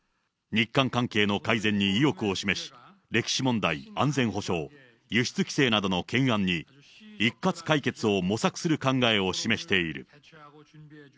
日韓関係の改善に意欲を示し、歴史問題、安全保障、輸出規制などの懸案に一括解決を模索する考えを示している。